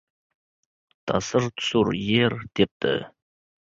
Tasir-tusur yer tepdi.